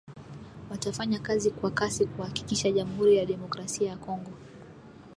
watafanya kazi kwa kasi kuhakikisha Jamuhuri ya Demokrasia ya Kongo